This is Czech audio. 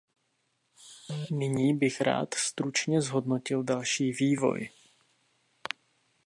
Nyní bych rád stručně zhodnotil další vývoj.